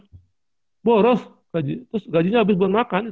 gaji terus gajinya habis buat makan